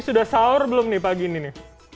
sudah sahur belum pagi ini